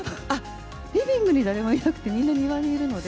リビングに誰もいなくて、みんな庭にいるので。